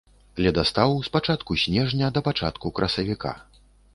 Ледастаў з пачатку снежня да пачатку красавіка.